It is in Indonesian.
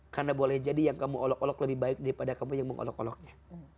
karena boleh jadi yang kamu olok olok lebih baik daripada kamu yang mengolok oloknya